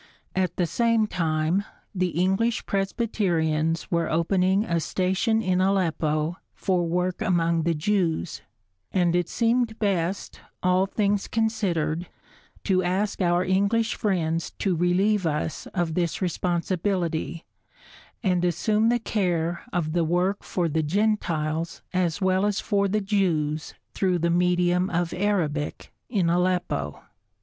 At the same time the English Presbyterians were opening a station in Aleppo for work among the Jews, and it seemed best, all things considered, to ask our English friends to relieve us of this responsibility, and assume the care of the work for the Gentiles as well as for the Jews through the medium of Arabic, in Aleppo.